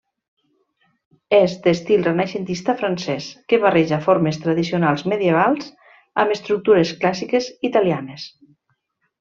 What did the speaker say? És d'estil renaixentista francès, que barreja formes tradicionals medievals amb estructures clàssiques italianes.